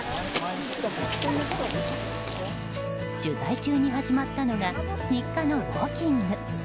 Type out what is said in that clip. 取材中に始まったのが日課のウォーキング。